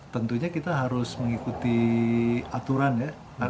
tentunya kita harus mengikuti aturan ya